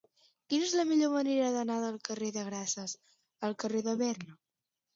Quina és la millor manera d'anar del carrer de Grases al carrer de Berna?